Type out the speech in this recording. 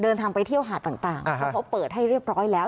เดินทางไปเที่ยวหาดต่างเพราะเขาเปิดให้เรียบร้อยแล้ว